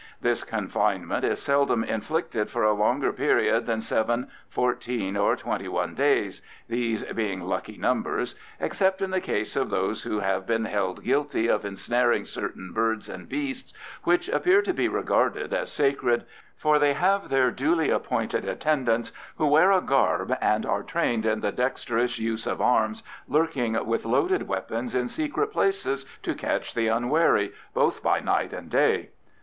This confinement is seldom inflicted for a longer period than seven, fourteen, or twenty one days (these being lucky numbers,) except in the case of those who have been held guilty of ensnaring certain birds and beasts which appear to be regarded as sacred, for they have their duly appointed attendants who wear a garb and are trained in the dexterous use of arms, lurking with loaded weapons in secret places to catch the unwary, both by night and day.